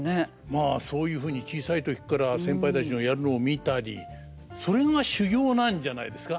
まあそういうふうに小さい時から先輩たちのやるのを見たりそれが修業なんじゃないですか。